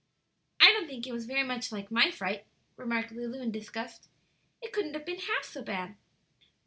'" "I don't think it was very much like my fright," remarked Lulu, in disgust; "it couldn't have been half so bad."